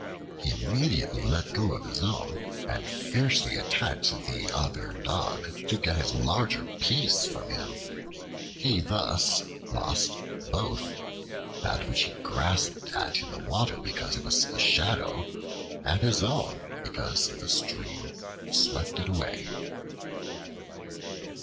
He immediately let go of his own, and fiercely attacked the other Dog to get his larger piece from him. He thus lost both: that which he grasped at in the water, because it was a shadow; and his own, because the stream swept it away.